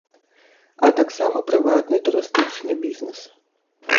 А таксама прыватны турыстычны бізнэс.